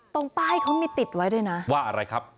ตรงป้ายเขามีติดไว้ด้วยนะว่าอะไรครับ